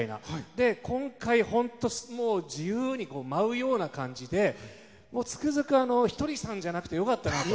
で、今回本当自由に舞うような感じでつくづく、ひとりさんじゃなくて良かったなと。